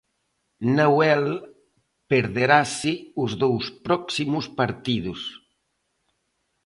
Nahuel perderase os dous próximos partidos.